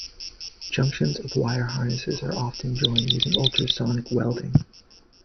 Junctions of wire harnesses are often joined using ultrasonic welding.